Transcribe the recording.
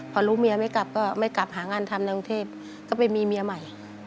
พอรู้เมียไม่กลับก็ไม่กลับหางานทำในกรุงเทพก็ไปมีเมียใหม่